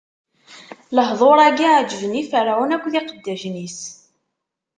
Lehduṛ-agi ɛeǧben i Ferɛun akked iqeddacen-is.